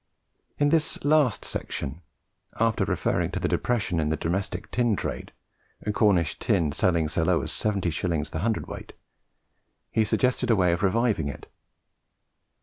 In this last section, after referring to the depression in the domestic tin trade (Cornish tin selling so low as 70s. the cwt.), he suggested a way of reviving it.